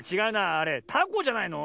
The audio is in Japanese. あれたこじゃないの？